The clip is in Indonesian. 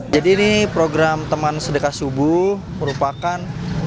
jadi ini program teman sedekah subuh merupakan